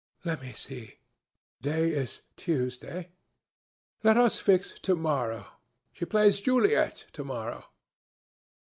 "Let me see. To day is Tuesday. Let us fix to morrow. She plays Juliet to morrow."